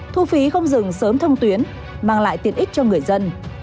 thu phí không dừng sớm thông tuyến mang lại tiện ích cho người dân